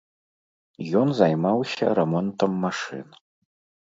Ён займаўся рамонтам машын.